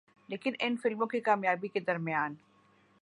لیکن ان فلموں کی کامیابی کے درمیان